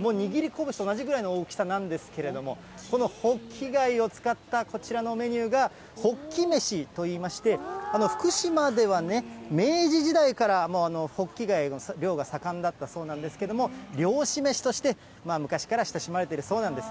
握り拳と同じくらいの大きさなんですけれども、このホッキ貝を使った、こちらのメニューが、ほっき飯といいまして、福島ではね、明治時代からホッキ貝の漁が盛んだったそうなんですけども、漁師めしとして、昔から親しまれているそうなんです。